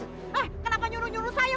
nah kenapa nyuruh nyuruh saya